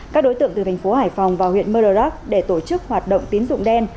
các đối tượng từ thành phố hải phòng vào huyện mơ rắc để tổ chức hoạt động tín dụng đen